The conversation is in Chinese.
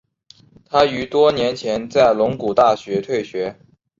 他于多年前在龙谷大学退学。